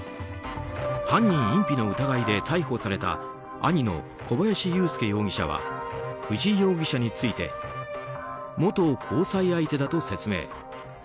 犯人隠避の疑いで逮捕された兄の小林優介容疑者は藤井容疑者について元交際相手だと説明。